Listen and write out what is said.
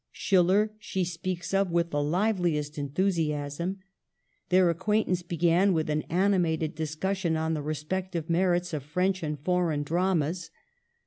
Schiller she speaks of with the liveliest enthusiasm. Their acquaintance began with an animated dis cussion on the respective merits of French and foreign dramas.